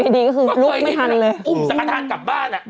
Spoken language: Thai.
สังฆาตกลับบ้าน